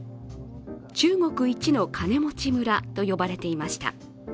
中国一の金持ち村と呼ばれていました。